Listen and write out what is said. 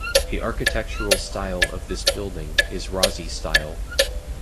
The architectural style of this building is Razi style.